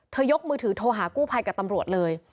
ยกมือถือโทรหากู้ภัยกับตำรวจเลย